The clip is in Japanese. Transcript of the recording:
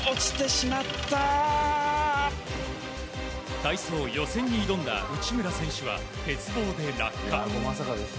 体操予選に挑んだ内村選手は鉄棒で落下。